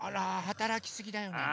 はたらきすぎだよね。